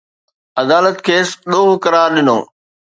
عدالت کيس ڏوهه قرار ڏنو